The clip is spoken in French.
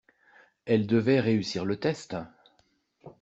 Elle devait réussir le test.